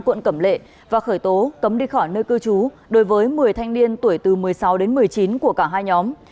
quận cẩm lệ và khởi tố cấm đi khỏi nơi cư trú đối với một mươi thanh niên tuổi từ một mươi sáu đến một mươi chín của cả hai nhóm